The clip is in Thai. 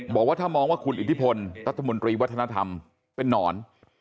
บอกว่าถ้ามองว่าคุณอิทธิพลรัฐมนตรีวัฒนธรรมเป็นนอน